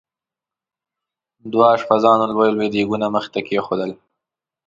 دوه اشپزانو لوی لوی دیګونه مخې ته کېښودل.